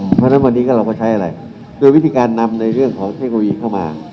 เพราะฉะนั้นวันนี้ก็เราก็ใช้อะไรโดยวิธีการนำในเรื่องของเทคโนโลยีเข้ามา